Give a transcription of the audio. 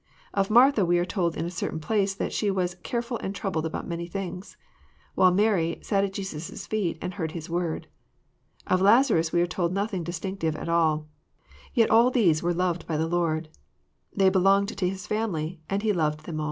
Of Martha, we are told in a certain place, that she was <^ carefal and troubled about many things," while Mary ^* sat at Jesus* feet, and heard His word." Of Lazarus we are told nothing distinctiye at all. Yet all these were loved by the Lord Jesus. They all belonged to His family, and He loved them aU.